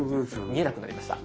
見えなくなりました。